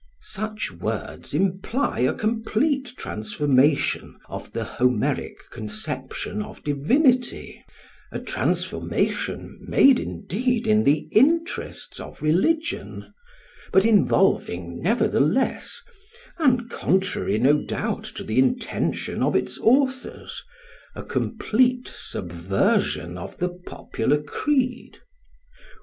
] Such words imply a complete transformation of the Homeric conception of Divinity; a transformation made indeed in the interests of religion, but involving nevertheless, and contrary, no doubt, to the intention of its authors, a complete subversion of the popular creed.